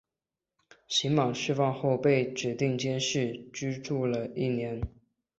刑满释放后被指定监视居住一年。